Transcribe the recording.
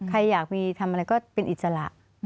ใครอยากมีทำอะไรก็เป็นอิสระ